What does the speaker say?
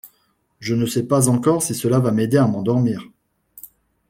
Je ne sais pas encore si cela va m’aider à m’endormir.